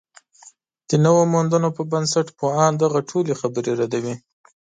د نویو موندنو پر بنسټ، پوهان دغه ټولې خبرې ردوي